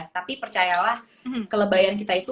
tapi percayalah kelebayan kita itu